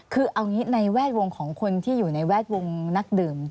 คือเอางี้ในแวดวงของคนที่อยู่ในแวดวงนักดื่ม